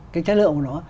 cái chất lượng của nó